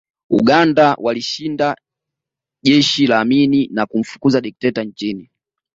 Uganda walishinda jeshi la Amin na kumfukuza dikteta nchini